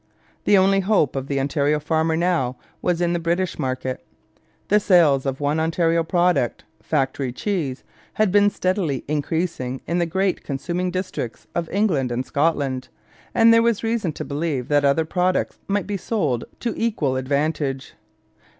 The only hope of the Ontario farmer now was in the British market. The sales of one Ontario product, factory cheese, had been steadily increasing in the great consuming districts of England and Scotland, and there was reason to believe that other products might be sold to equal advantage.